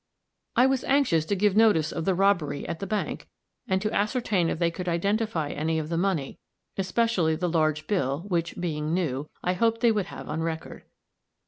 I was anxious to give notice of the robbery at the bank, and to ascertain if they could identify any of the money, especially the large bill, which, being new, I hoped they would have on record.